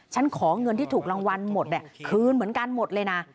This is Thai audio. ฉันขอเงินที่ถูกรางวัลหมดคืนเหมือนกันหมดเลยนะ